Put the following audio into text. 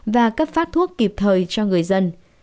và cấp phát thuốc kịp thời cho người dân